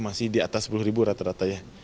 masih di atas sepuluh ribu rata rata ya